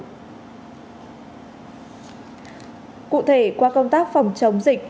cụ thể qua công tác phòng chống dịch